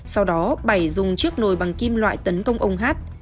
sau đó bảy dùng chiếc nồi bằng kim loại tấn công ông hát